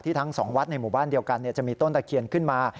ทั้งสองวัดในหมู่บ้านเดียวกันจะมีต้นตะเคียนขึ้นมา